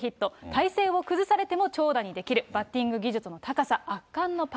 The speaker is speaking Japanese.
体勢を崩されても長打にできるバッティング技術の高さ、圧巻のパ